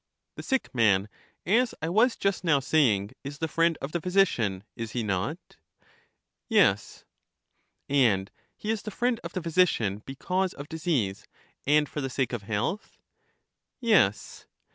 The sick man, as I was just now saying, is the friend of the physician — is he not? Yes. LYSIS 73 And he is the friend of the physician because of disease, and for the sake of health? Yes.